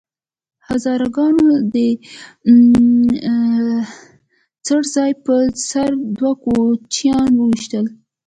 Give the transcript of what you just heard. هزاره ګانو د څړ ځای په سر دوه کوچیان وويشتل